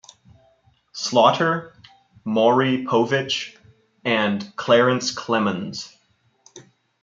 Slaughter, Maury Povich and Clarence Clemons.